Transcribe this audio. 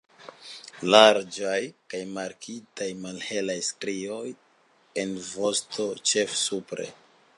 Larĝaj kaj markitaj malhelaj strioj en vosto, ĉefe supre.